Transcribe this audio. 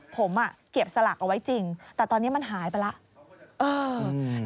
ผมเก็บสลากเอาไว้จริงแต่ตอนนี้มันหายไปแล้ว